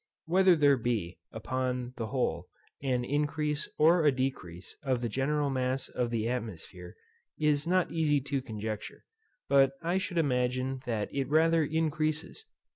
Whether there be, upon, the whole, an increase or a decrease of the general mass of the atmosphere is not easy to conjecture, but I should imagine that it rather increases.